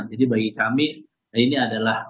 jadi bagi kami ini adalah